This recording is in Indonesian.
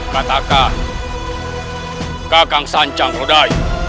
katakah kakang sancang rodai